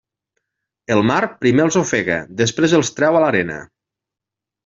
El mar, primer els ofega, després els treu a l'arena.